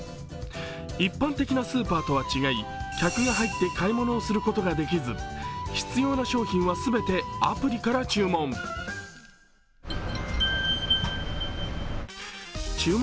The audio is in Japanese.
一般的なスーパーとは違い客が入って買い物することはできず必要な商品は全てアプリから注文。